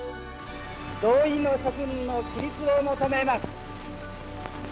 同意の諸君の起立を求めます。